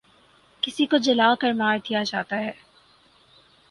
کسی کو جلا کر مار دیا جاتا ہے